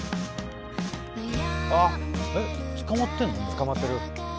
捕まってる。